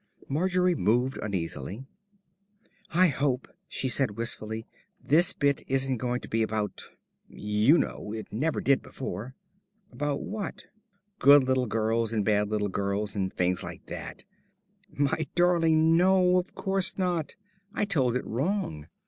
Margery moved uneasily. "I hope," she said wistfully, "this bit isn't going to be about you know. It never did before." "About what?" "Good little girls and bad little girls, and fings like that." "My darling, no, of course not. I told it wrong.